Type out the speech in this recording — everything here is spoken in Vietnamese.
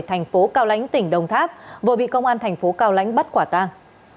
thành phố cao lánh tỉnh đồng tháp vừa bị công an thành phố cao lánh bắt quả tang